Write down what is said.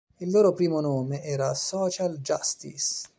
Il loro primo nome era Social Justice.